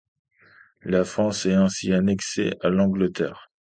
La France est ainsi annexée à l'Angleterre.